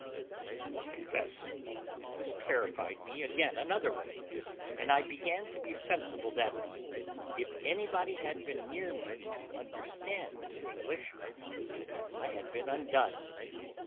I confess this terrified me again another way, and I began to be sensible that, if anybody had been near me to understand English, I had been undone.